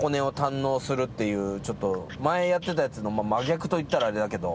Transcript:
前やってたやつの真逆といったらあれだけど。